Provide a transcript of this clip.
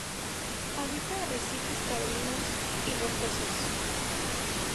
Habita arrecifes coralinos y rocosos.